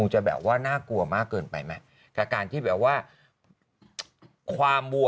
จะแบบว่าน่ากลัวมากเกินไปไหมกับการที่แบบว่าความมัว